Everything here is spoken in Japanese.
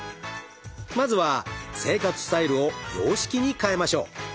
まずは生活スタイルを洋式に変えましょう。